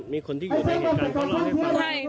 มีคนที่อยู่ในเหตุการณ์ก็เล่าแบบนั้น